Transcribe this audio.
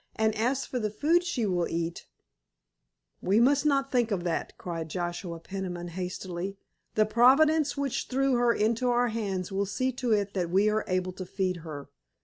And as for the food she will eat——" "We must not think of that," cried Joshua Peniman hastily. "The Providence which threw her into our hands will see to it that we are able to feed her.